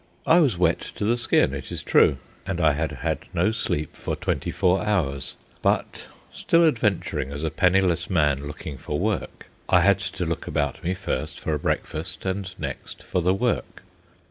I was wet to the skin, it is true, and I had had no sleep for twenty four hours; but, still adventuring as a penniless man looking for work, I had to look about me, first for a breakfast, and next for the work.